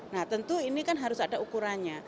nah tentu ini kan harus ada ukurannya